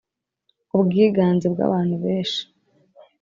ubwiganze bwa bantu beshi